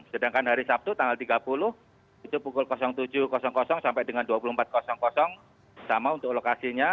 sedangkan hari sabtu tanggal tiga puluh itu pukul tujuh sampai dengan dua puluh empat sama untuk lokasinya